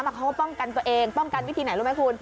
เขาก็ป้องกันตัวเองป้องกันวิธีไหนรู้ไหมคุณ